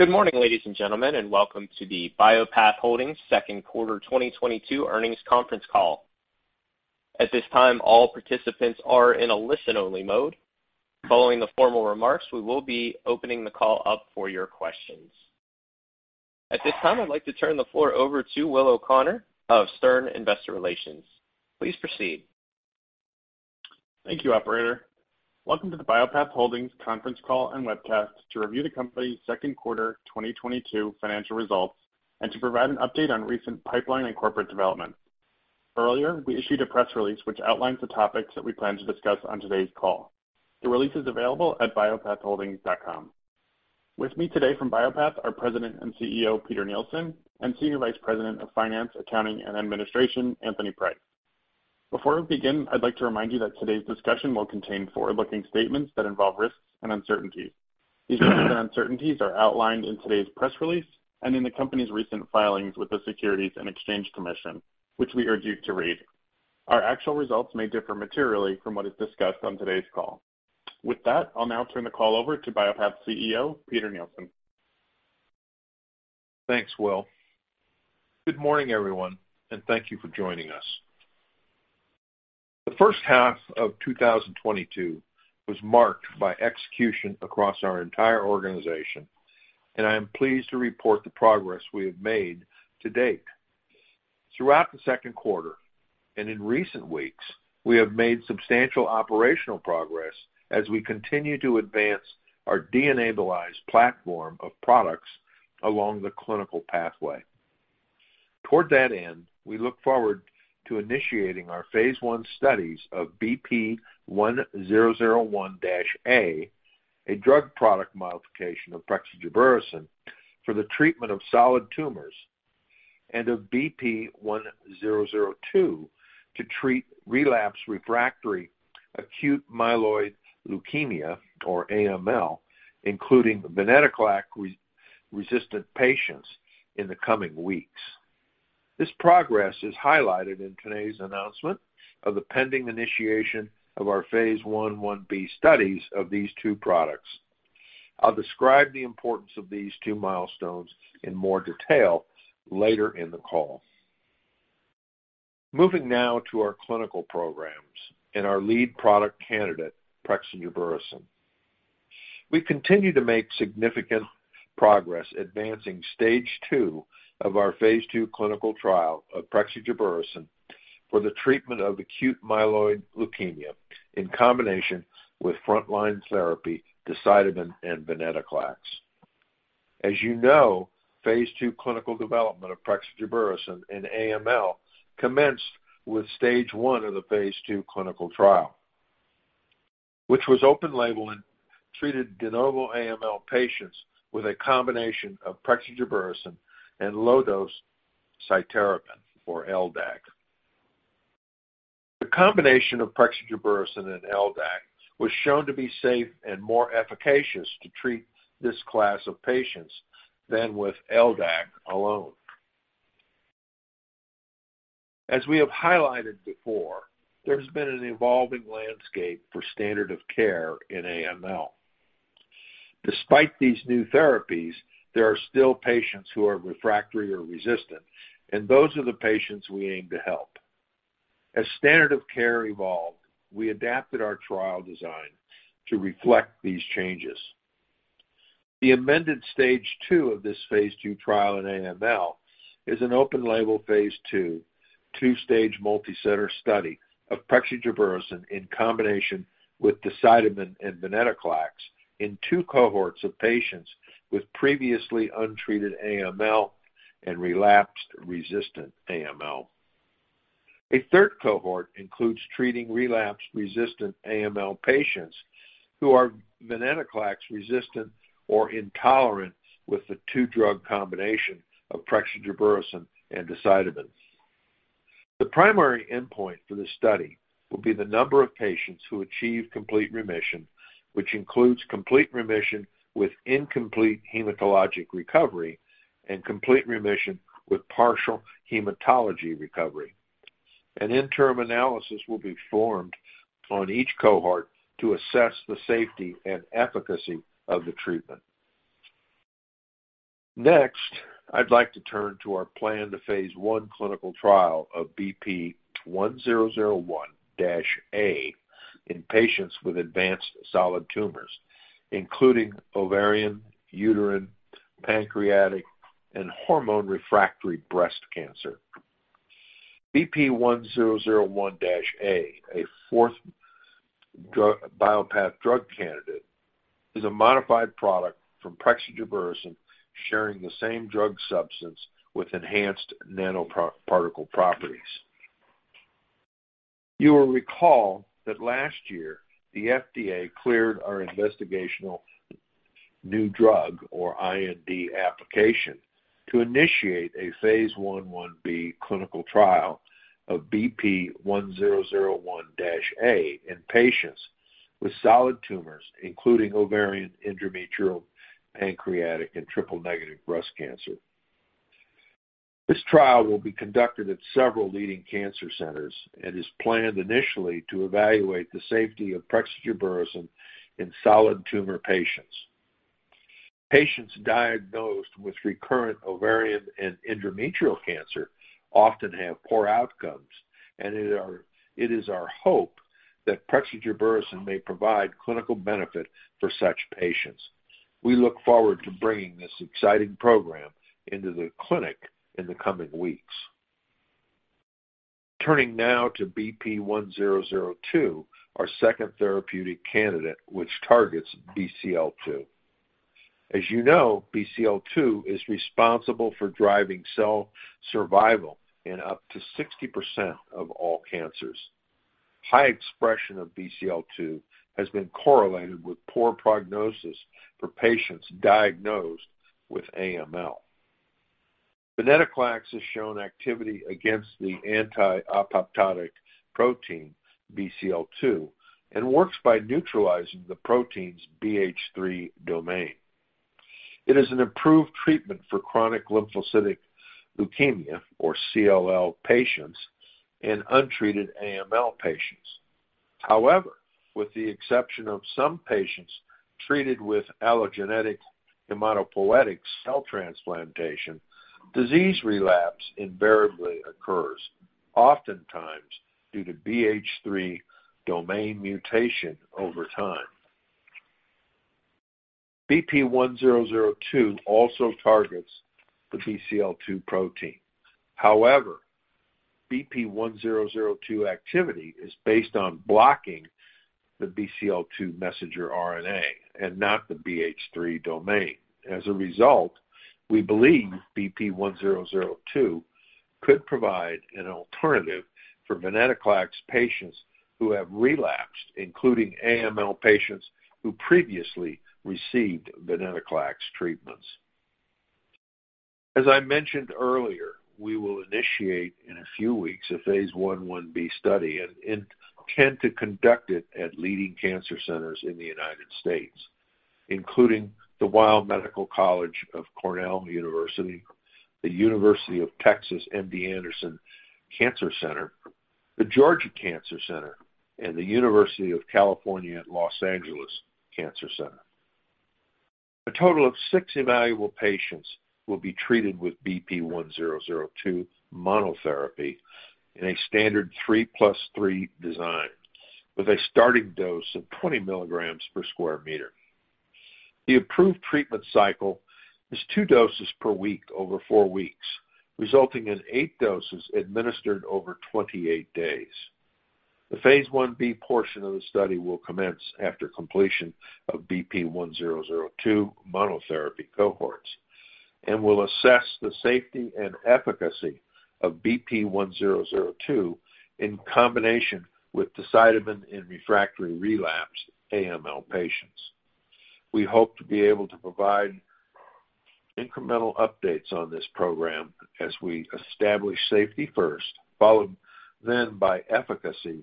Good morning, ladies and gentlemen, and welcome to the Bio-Path Holdings Second Quarter 2022 Earnings Conference Call. At this time, all participants are in a listen-only mode. Following the formal remarks, we will be opening the call up for your questions. At this time, I'd like to turn the floor over to Will O'Connor of Stern Investor Relations. Please proceed. Thank you, operator. Welcome to the Bio-Path Holdings conference call and webcast to review the company's second quarter 2022 financial results and to provide an update on recent pipeline and corporate development. Earlier, we issued a press release which outlines the topics that we plan to discuss on today's call. The release is available at biopathholdings.com. With me today from Bio-Path are President and CEO, Peter Nielsen, and Senior Vice President of Finance, Accounting, and Administration, Anthony Price. Before we begin, I'd like to remind you that today's discussion will contain forward-looking statements that involve risks and uncertainties. These risks and uncertainties are outlined in today's press release and in the company's recent filings with the Securities and Exchange Commission, which we urge you to read. Our actual results may differ materially from what is discussed on today's call. With that, I'll now turn the call over to Bio-Path's CEO, Peter Nielsen. Thanks, Will. Good morning, everyone, and thank you for joining us. The first half of 2022 was marked by execution across our entire organization, and I am pleased to report the progress we have made to date. Throughout the second quarter and in recent weeks, we have made substantial operational progress as we continue to advance our DNAbilize platform of products along the clinical pathway. Toward that end, we look forward to initiating our phase 1 studies of BP1001-A, a drug product modification of prexigebersen for the treatment of solid tumors, and of BP1002 to treat relapse-refractory acute myeloid leukemia, or AML, including venetoclax-resistant patients in the coming weeks. This progress is highlighted in today's announcement of the pending initiation of our phase 1/1b studies of these two products. I'll describe the importance of these two milestones in more detail later in the call. Moving now to our clinical programs and our lead product candidate, prexigebersen. We continue to make significant progress advancing stage two of our phase 2 clinical trial of prexigebersen for the treatment of acute myeloid leukemia in combination with frontline therapy decitabine and venetoclax. As you know, phase 2 clinical development of prexigebersen in AML commenced with stage one of the phase 2 clinical trial, which was open label and treated de novo AML patients with a combination of prexigebersen and low-dose cytarabine or LDAC. The combination of prexigebersen and LDAC was shown to be safe and more efficacious to treat this class of patients than with LDAC alone. As we have highlighted before, there's been an evolving landscape for standard of care in AML. Despite these new therapies, there are still patients who are refractory or resistant, and those are the patients we aim to help. As standard of care evolved, we adapted our trial design to reflect these changes. The amended stage two of this phase 2 trial in AML is an open label phase 2-stage multicenter study of prexigebersen in combination with decitabine and venetoclax in two cohorts of patients with previously untreated AML and relapsed resistant AML. A third cohort includes treating relapse-resistant AML patients who are venetoclax resistant or intolerant with the two-drug combination of prexigebersen and decitabine. The primary endpoint for the study will be the number of patients who achieve complete remission, which includes complete remission with incomplete hematologic recovery and complete remission with partial hematologic recovery. An interim analysis will be performed on each cohort to assess the safety and efficacy of the treatment. Next, I'd like to turn to our plan to phase 1 clinical trial of BP1001-A in patients with advanced solid tumors, including ovarian, uterine, pancreatic, and hormone-refractory breast cancer. BP1001-A, a fourth drug, Bio-Path drug candidate is a modified product from prexigebersen sharing the same drug substance with enhanced nanoparticle properties. You will recall that last year the FDA cleared our investigational new drug or IND application to initiate a phase 1/1B clinical trial of BP1001-A in patients with solid tumors, including ovarian, endometrial, pancreatic, and triple-negative breast cancer. This trial will be conducted at several leading cancer centers and is planned initially to evaluate the safety of prexigebersen in solid tumor patients. Patients diagnosed with recurrent ovarian and endometrial cancer often have poor outcomes, and it is our hope that prexigebersen may provide clinical benefit for such patients. We look forward to bringing this exciting program into the clinic in the coming weeks. Turning now to BP1002, our second therapeutic candidate, which targets BCL-2. As you know, BCL-2 is responsible for driving cell survival in up to 60% of all cancers. High expression of BCL-2 has been correlated with poor prognosis for patients diagnosed with AML. Venetoclax has shown activity against the anti-apoptotic protein BCL-2 and works by neutralizing the protein's BH3 domain. It is an approved treatment for chronic lymphocytic leukemia or CLL patients and untreated AML patients. However, with the exception of some patients treated with allogeneic hematopoietic cell transplantation, disease relapse invariably occurs, oftentimes due to BH3 domain mutation over time. BP1002 also targets the BCL-2 protein. However, BP1002 activity is based on blocking the BCL-2 messenger RNA and not the BH3 domain. As a result, we believe BP1002 could provide an alternative for venetoclax patients who have relapsed, including AML patients who previously received venetoclax treatments. As I mentioned earlier, we will initiate in a few weeks a phase 1b study and intend to conduct it at leading cancer centers in the United States, including the Weill Cornell Medical College, the University of Texas MD Anderson Cancer Center, the Georgia Cancer Center, and the UCLA Jonsson Comprehensive Cancer Center. A total of 60 evaluable patients will be treated with BP1002 monotherapy in a standard 3 + 3 design with a starting dose of 20 milligrams per square meter. The approved treatment cycle is two doses per week over four weeks, resulting in eight doses administered over 28 days. The phase 1-B portion of the study will commence after completion of BP1002 monotherapy cohorts and will assess the safety and efficacy of BP1002 in combination with decitabine in refractory relapsed AML patients. We hope to be able to provide incremental updates on this program as we establish safety first, followed then by efficacy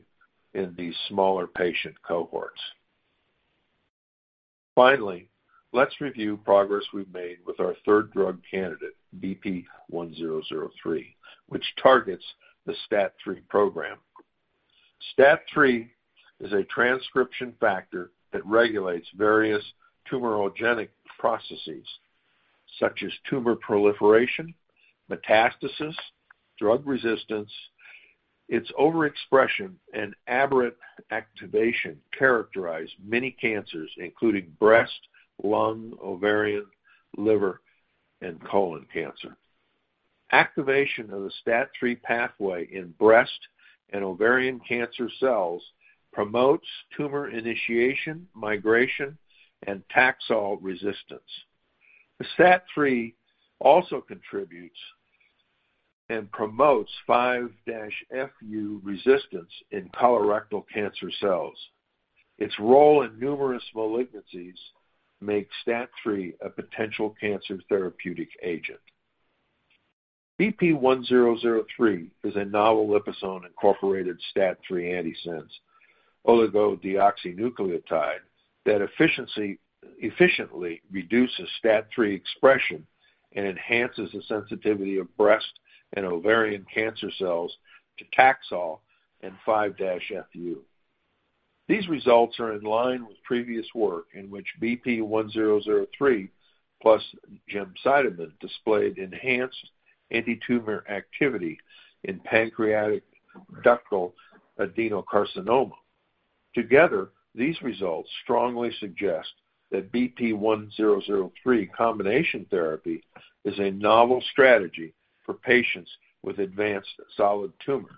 in these smaller patient cohorts. Finally, let's review progress we've made with our third drug candidate, BP1003, which targets the STAT3 program. STAT3 is a transcription factor that regulates various tumorigenic processes such as tumor proliferation, metastasis, drug resistance. Its overexpression and aberrant activation characterize many cancers including breast, lung, ovarian, liver, and colon cancer. Activation of the STAT3 pathway in breast and ovarian cancer cells promotes tumor initiation, migration, and Taxol resistance. The STAT3 also contributes and promotes 5-FU resistance in colorectal cancer cells. Its role in numerous malignancies make STAT3 a potential cancer therapeutic agent. BP1003 is a novel liposome-incorporated STAT3 antisense oligonucleotide that efficiently reduces STAT3 expression and enhances the sensitivity of breast and ovarian cancer cells to Taxol and 5-FU. These results are in line with previous work in which BP1003 plus gemcitabine displayed enhanced antitumor activity in pancreatic ductal adenocarcinoma. Together, these results strongly suggest that BP1003 combination therapy is a novel strategy for patients with advanced solid tumors.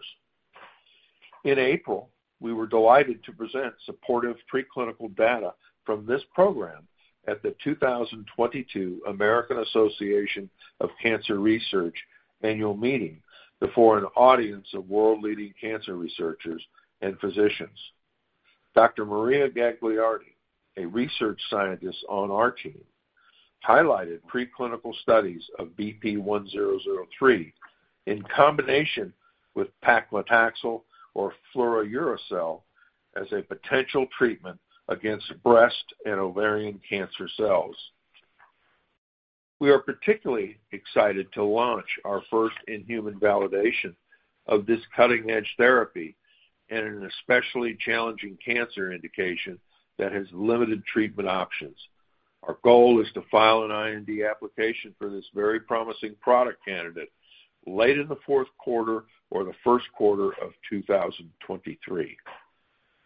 In April, we were delighted to present supportive preclinical data from this program at the 2022 American Association for Cancer Research annual meeting before an audience of world-leading cancer researchers and physicians. Dr. Maria Gagliardi, a research scientist on our team, highlighted preclinical studies of BP1003 in combination with paclitaxel or fluorouracil. As a potential treatment against breast and ovarian cancer cells. We are particularly excited to launch our first in human validation of this cutting edge therapy in an especially challenging cancer indication that has limited treatment options. Our goal is to file an IND application for this very promising product candidate late in the fourth quarter or the first quarter of 2023.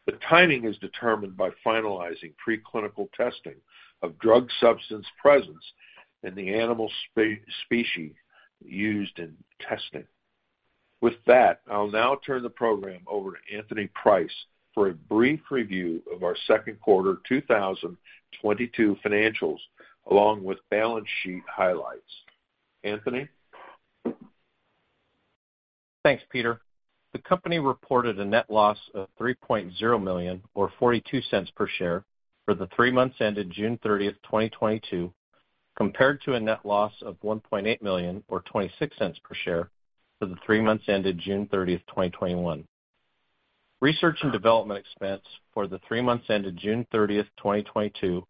The timing is determined by finalizing pre-clinical testing of drug substance presence in the animal species used in testing. With that, I'll now turn the program over to Anthony Price for a brief review of our second quarter 2022 financials, along with balance sheet highlights. Anthony? Thanks, Peter. The company reported a net loss of $3.0 million or $0.42 per share for the three months ended June 30, 2022, compared to a net loss of $1.8 million or $0.26 per share for the three months ended June 30, 2021. Research and development expense for the three months ended June 30, 2022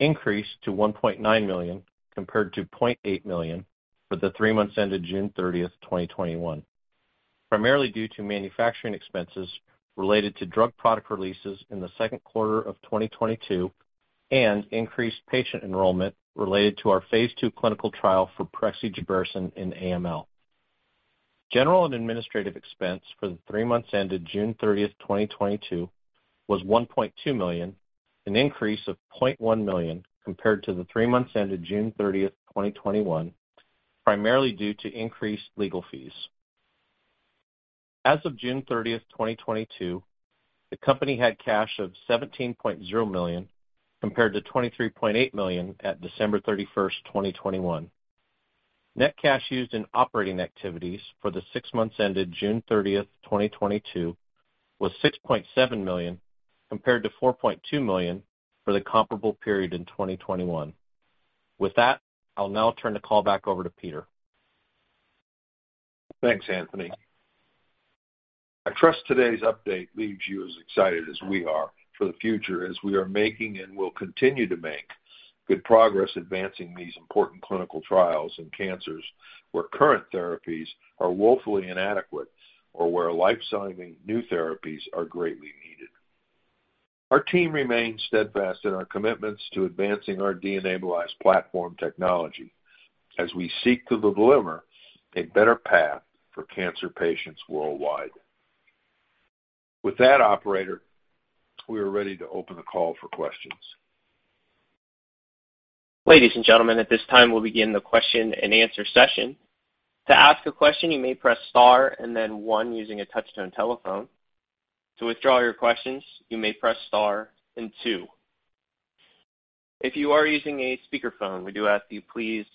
increased to $1.9 million compared to $0.8 million for the three months ended June 30, 2021, primarily due to manufacturing expenses related to drug product releases in the second quarter of 2022 and increased patient enrollment related to our phase 2 clinical trial for prexigebersen in AML. General and administrative expense for the three months ended June 30, 2022 was $1.2 million, an increase of $0.1 million compared to the three months ended June 30, 2021, primarily due to increased legal fees. As of June 30, 2022, the company had cash of $17.0 million compared to $23.8 million at December 31, 2021. Net cash used in operating activities for the six months ended June 30, 2022 was $6.7 million compared to $4.2 million for the comparable period in 2021. With that, I'll now turn the call back over to Peter. Thanks, Anthony. I trust today's update leaves you as excited as we are for the future as we are making and will continue to make good progress advancing these important clinical trials in cancers where current therapies are woefully inadequate or where life-saving new therapies are greatly needed. Our team remains steadfast in our commitments to advancing our DNAbilize platform technology as we seek to deliver a better path for cancer patients worldwide. With that, operator, we are ready to open the call for questions. Ladies and gentlemen, at this time, we'll begin the question and answer session. To ask a question, you may press star and then one using a touch-tone telephone. To withdraw your questions, you may press star and two. If you are using a speakerphone, we do ask that you please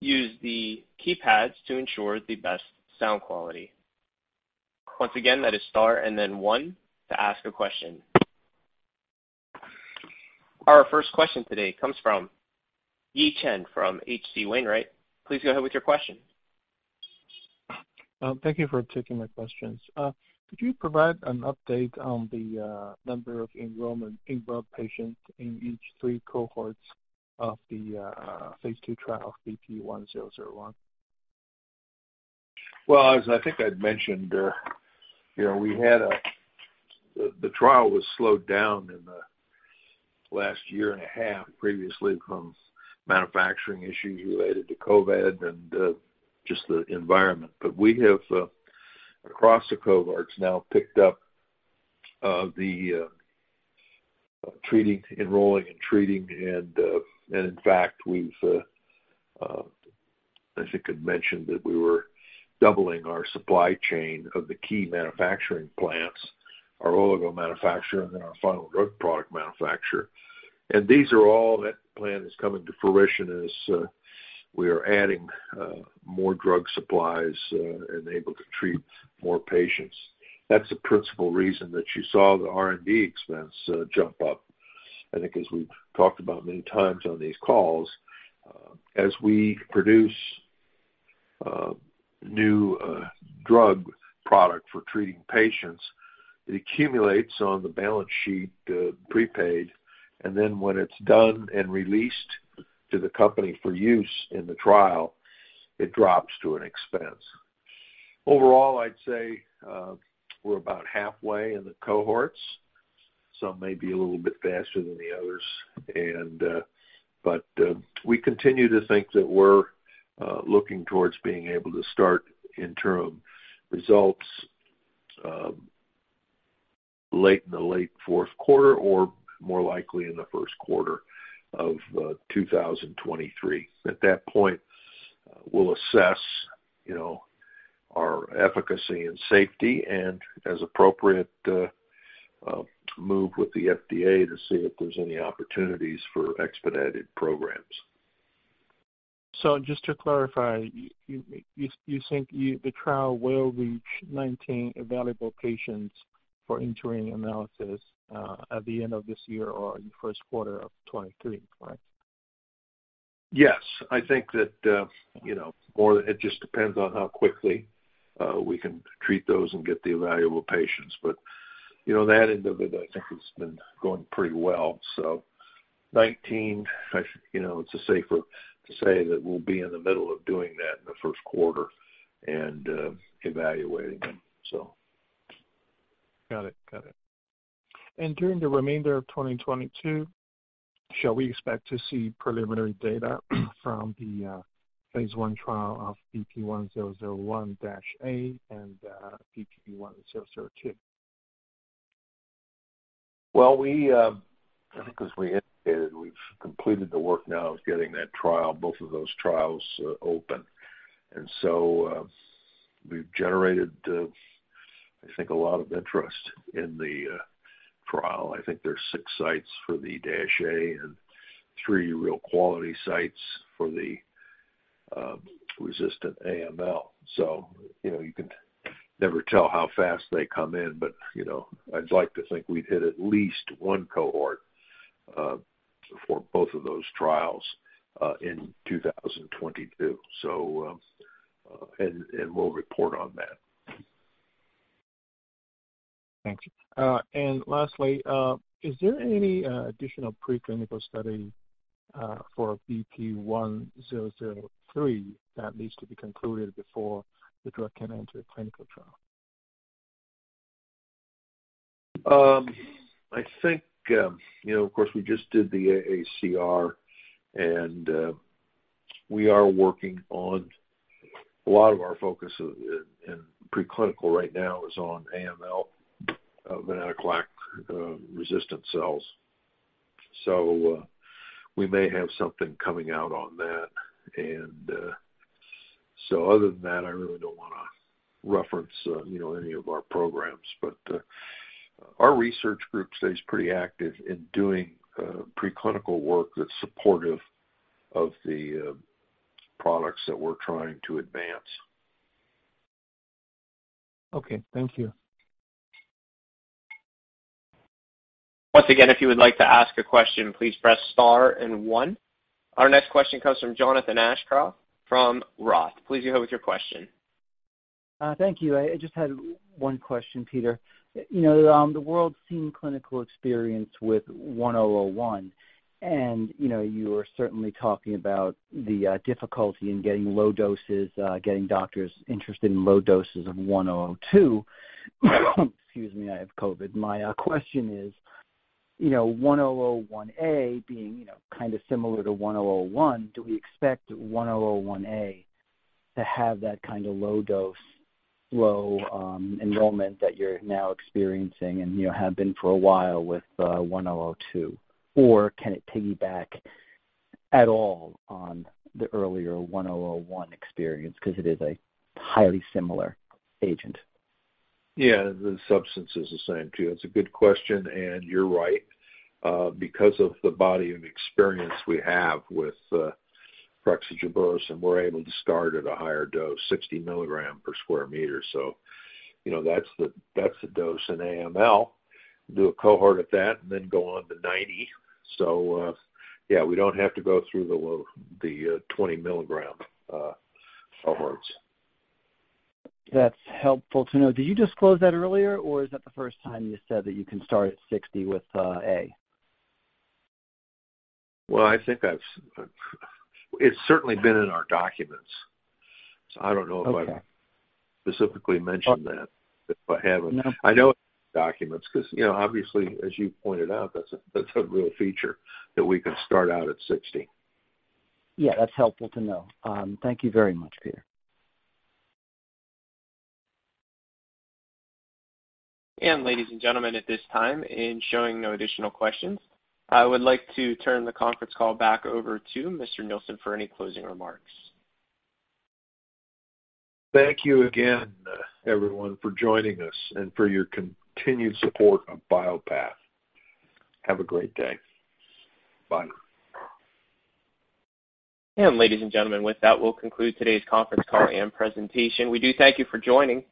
use the keypads to ensure the best sound quality. Once again, that is star and then one to ask a question. Our first question today comes from Yi Chen from H.C. Wainwright & Co. Please go ahead with your question. Thank you for taking my questions. Could you provide an update on the number of enrolled patients in each three cohorts of the phase 2 trial of BP1001? Well, as I think I'd mentioned, you know, we had the trial was slowed down in the last year and a half previously from manufacturing issues related to COVID and just the environment. We have across the cohorts now picked up the enrolling and treating. In fact, we've, I think I'd mentioned that we were doubling our supply chain of the key manufacturing plants, our oligo manufacturer, and then our final drug product manufacturer. That plan is coming to fruition as we are adding more drug supplies and able to treat more patients. That's the principal reason that you saw the R&D expense jump up. I think as we've talked about many times on these calls, as we produce new drug product for treating patients, it accumulates on the balance sheet, prepaid, and then when it's done and released to the company for use in the trial, it drops to an expense. Overall, I'd say, we're about halfway in the cohorts. Some may be a little bit faster than the others. We continue to think that we're looking towards being able to start interim results late in the late fourth quarter or more likely in the first quarter of 2023. At that point, we'll assess, you know, our efficacy and safety and as appropriate, move with the FDA to see if there's any opportunities for expedited programs. Just to clarify, you think the trial will reach 19 evaluable patients for interim analysis at the end of this year or in the first quarter of 2023, correct? Yes, I think that, you know, more it just depends on how quickly we can treat those and get the evaluable patients. You know, that end of it, I think has been going pretty well. 2019, you know, it's safer to say that we'll be in the middle of doing that in the first quarter and evaluating them, so. Got it. During the remainder of 2022, shall we expect to see preliminary data from the phase 1 trial of BP1001-A and BP1002? Well, I think as we indicated, we've completed the work now of getting that trial, both of those trials, open. We've generated, I think a lot of interest in the trial. I think there's six sites for the dash A and three real quality sites for the resistant AML. You know, you can never tell how fast they come in, but, you know, I'd like to think we'd hit at least one cohort for both of those trials in 2022. We'll report on that. Thank you. Lastly, is there any additional preclinical study for BP1003 that needs to be concluded before the drug can enter a clinical trial? I think, you know, of course, we just did the AACR and we are working on a lot of our focus in preclinical right now is on AML, venetoclax resistant cells. So, we may have something coming out on that. So other than that, I really don't wanna reference you know any of our programs. Our research group stays pretty active in doing preclinical work that's supportive of the products that we're trying to advance. Okay. Thank you. Once again, if you would like to ask a question, please press star and one. Our next question comes from Jonathan Aschoff from Roth. Please go ahead with your question. Thank you. I just had one question, Peter. You know, we've seen clinical experience with BP1001, and, you know, you are certainly talking about the difficulty in getting low doses, getting doctors interested in low doses of BP1002. Excuse me, I have COVID. My question is, you know, BP1001-A being, you know, kind of similar to BP1001, do we expect BP1001-A to have that kind of low dose, low enrollment that you're now experiencing and, you know, have been for a while with BP1002? Or can it piggyback at all on the earlier BP1001 experience 'cause it is a highly similar agent? Yeah, the substance is the same too. It's a good question, and you're right. Because of the body and experience we have with prexigebersen, and we're able to start at a higher dose, 60 milligram per square meter. You know, that's the dose in AML. Do a cohort at that and then go on to 90. Yeah, we don't have to go through the low 20 milligram cohorts. That's helpful to know. Did you disclose that earlier, or is that the first time you said that you can start at 60 with, A? It's certainly been in our documents, so I don't know if I Okay. Specifically mentioned that, if I haven't. No. I know documents 'cause, you know, obviously as you pointed out, that's a real feature that we can start out at 60. Yeah. That's helpful to know. Thank you very much, Peter. Ladies and gentlemen, at this time, seeing no additional questions, I would like to turn the conference call back over to Mr. Nielsen for any closing remarks. Thank you again, everyone for joining us and for your continued support of Bio-Path. Have a great day. Bye. Ladies and gentlemen, with that, we'll conclude today's conference call and presentation. We do thank you for joining.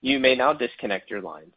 You may now disconnect your lines.